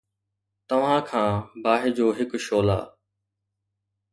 توهان کان باهه جو هڪ شعلہ